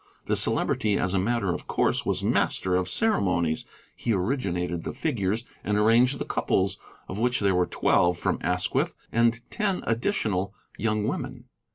The Celebrity as a matter of course was master of ceremonies. He originated the figures and arranged the couples, of which there were twelve from Asquith and ten additional young women.